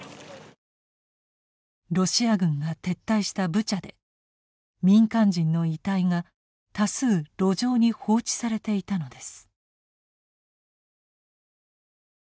ロシア軍が撤退したブチャで民間人の遺体が多数路上に放置されていたのです。